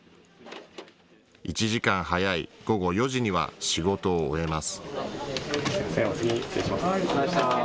１時間早い午後４時には仕事を終えます。